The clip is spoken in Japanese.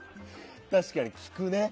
確かに、聞くね。